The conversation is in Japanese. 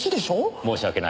申し訳ない。